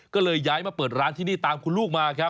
ก็เลยย้ายมาเปิดร้านที่นี่ตามคุณลูกมาครับ